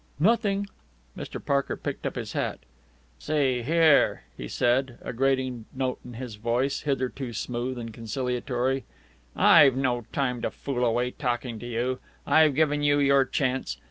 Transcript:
"Nothing." Mr. Parker picked up his hat. "See here," he said, a grating note in his voice, hitherto smooth and conciliatory, "I've no time to fool away talking to you. I've given you your chance.